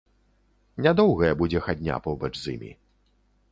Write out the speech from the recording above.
Нядоўгая будзе хадня побач з імі.